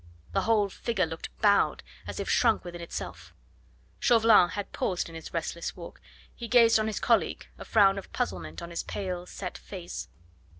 The whole figure looked bowed, as if shrunk within itself. Chauvelin had paused in his restless walk. He gazed on his colleague, a frown of puzzlement on his pale, set face.